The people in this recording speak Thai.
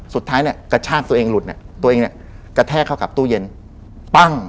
สุดท้ายเนี่ยกระชากตัวเองหลุดเนี่ยตัวเองเนี่ยกระแทกเข้ากับตู้เย็นปั้ง